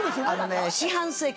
四半世紀。